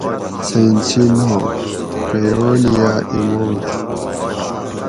سایٔنسی نام -------- paeonia emode